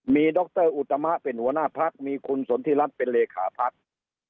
มีดรอุตมาเป็นหัวหน้าภักดิ์มีคุณสนทิรัฐเป็นเลขาภักดิ์